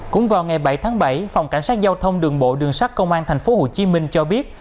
cũng vào ngày bảy tháng bảy phòng cảnh sát giao thông đường bộ đường sát công an tp hcm cho biết